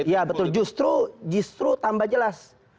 ya betul justru tambah jelas